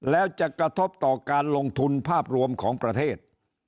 แล้วจะกระทบต่อการลงทุนภาพรวมของประเทศ